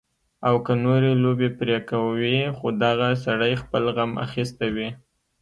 او کۀ نورې لوبې پرې کوي خو دغه سړے خپل غم اخستے وي